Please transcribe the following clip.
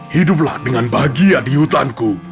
hiduplah dengan bahagia di hutanku